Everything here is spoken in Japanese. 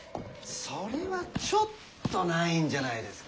それはちょっとないんじゃないですか？